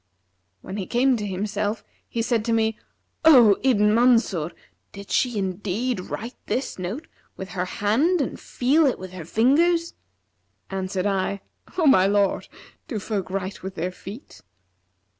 When he came to himself, he said to me, 'O Ibn Mansur, did she indeed write this note with her hand and feel it with her fingers?' Answered I, 'O my lord, do folk write with their feet?'